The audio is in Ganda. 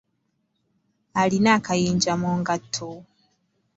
Alina akayinja mu ngatto.